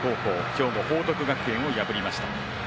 今日の報徳学園を破りました。